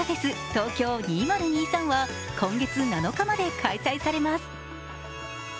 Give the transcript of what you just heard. ＴＯＫＹＯ２０２３は今月７日まで開催されます。